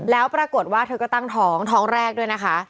แล้วปรากฏว่าเธอก็ตั้งท้องท้องแรกด้วยนะคะ